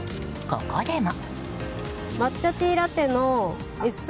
ここでも。